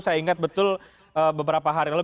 saya ingat betul beberapa hari lalu